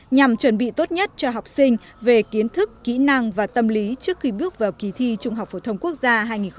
nhằm chuẩn bị tốt nhất cho học sinh về kiến thức kỹ năng và tâm lý trước khi bước vào kỳ thi trung học phổ thông quốc gia hai nghìn một mươi chín